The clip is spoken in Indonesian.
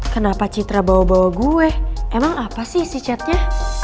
kenapa citra bawa bawa gue emang apa sih si chatnya